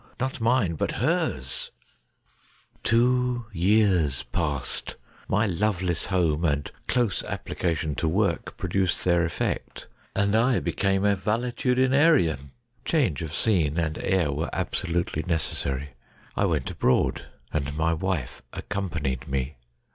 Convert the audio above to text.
Not mine, but hers ! Two years passed : my loveless home and close applica tion to work produced their effect, and I became a valetudin arian. Change of scene and air were absolutely necessary. I went abroad, and my wife accompanied me.